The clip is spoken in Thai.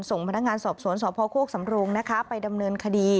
ส่งพนักงานสอบสวนสพโฆษัมโรงไปดำเนินคดี